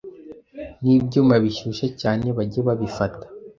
n’ibyuma bishyushya cyane bajye babifata